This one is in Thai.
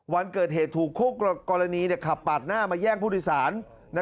วันเกิดเหตุถูกคู่กรณีขับปาดหน้ามาแย่งผู้โดยสาร